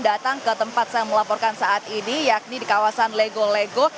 datang ke tempat saya melaporkan saat ini yakni di kawasan lego lego